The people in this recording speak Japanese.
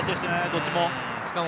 どっちも。